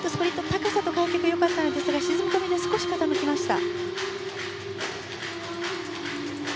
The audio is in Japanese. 高さなどは良かったんですが沈み込みで少し傾きました。